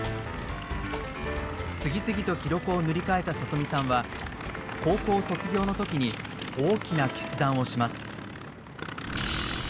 次々と記録を塗り替えた里見さんは高校卒業の時に大きな決断をします。